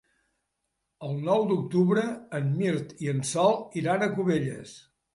El nou d'octubre en Mirt i en Sol iran a Cubelles.